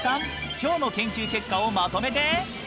きょうの研究結果をまとめて！